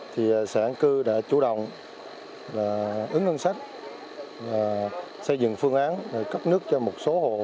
thì sản cư đã chủ động ứng ngân sách xây dựng phương án cấp nước cho một số hộ